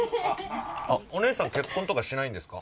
お姉さん結婚とかしないんですか？